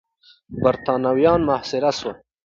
برتانويان محاصره سول.